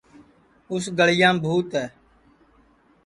اُس گݪیام بھوت ہے